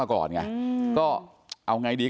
อันนี้แม่งอียางเนี่ย